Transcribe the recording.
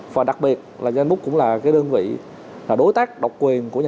và đặc biệt là zenbook cũng là đơn vị đối tác độc quyền